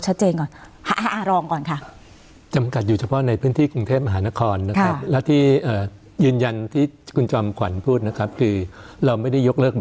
สนับสนุนโดยพี่โพเพี่ยวสะอาดใสไร้คราบ